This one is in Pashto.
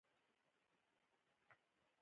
د نیوټن درېیم قانون عمل او عکس العمل بیانوي.